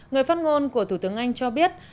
người phát ngôn của thủ tướng anh cho biết